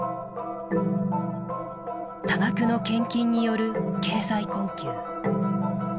多額の献金による経済困窮。